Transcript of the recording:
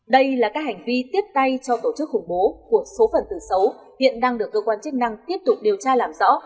đây là các hành vi tiếp tay cho tổ chức khủng bố của số phần từ xấu hiện đang được cơ quan chức năng tiếp tục điều tra làm rõ